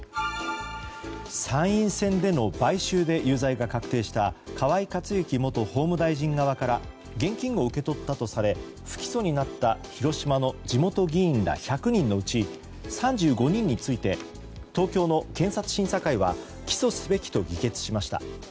参院選での買収で有罪が確定した河井克行元法務大臣側から現金を受け取ったとされ不起訴になった広島の地元議員ら１００人のうち３５人について東京の検察審査会は起訴すべきと議決しました。